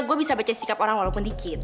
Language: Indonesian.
gue bisa baca sikap orang walaupun dikit